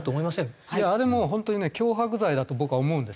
あれもう本当にね脅迫罪だと僕は思うんですよね。